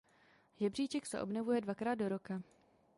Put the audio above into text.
Žebříček se obnovuje dvakrát do roka.